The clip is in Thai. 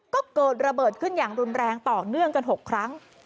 ก็เกิดระเบิดขึ้นอย่างรุนแรงต่อเนื่องกัน๖ครั้ง